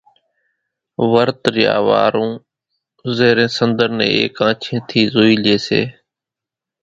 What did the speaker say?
ورت ريا وارو زيرين سنۮر نين ايڪ آنڇين زوئي لئي سي۔